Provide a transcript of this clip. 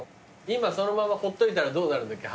今そのままほっといたらどうなるんだっけ？